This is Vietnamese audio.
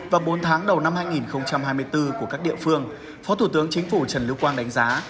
và bốn tháng đầu năm hai nghìn hai mươi bốn của các địa phương phó thủ tướng chính phủ trần lưu quang đánh giá